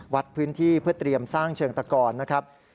วัดพื้นที่เพื่อเตรียมสร้างเชิงตะกรนะครับ